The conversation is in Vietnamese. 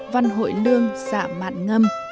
văn hội lương xạ mạn ngâm